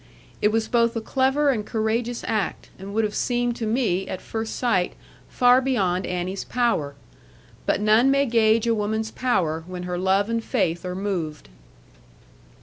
It was both a clever and courageous act; and would have seemed to me, at first sight, far beyond Annie's power. But none may gauge a woman's power, when her love and faith are moved.